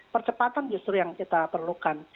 percepatan justru yang kita perlukan